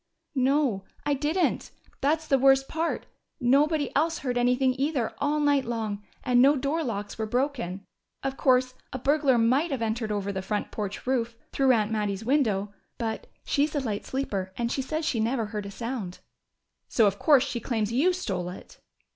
"No, I didn't. That's the worst part. Nobody else heard anything, either, all night long, and no door locks were broken. Of course, a burglar might have entered over the front porch roof, through Aunt Mattie's window. But she's a light sleeper, and she says she never heard a sound." "So of course she claims you stole it!"